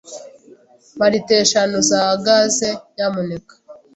Mpa litiro eshanu za gaze, nyamuneka.